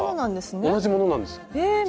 同じものなんですね。